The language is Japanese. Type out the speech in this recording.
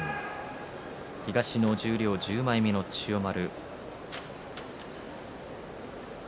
東の十両１０枚目の千代丸。